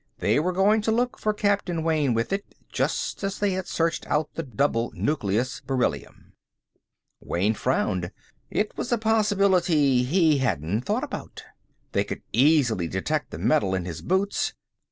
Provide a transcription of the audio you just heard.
They were going to look for Captain Wayne with it, just as they had searched out the double nucleus beryllium. Wayne frowned. It was a possibility he hadn't thought about. They could easily detect the metal in his boots!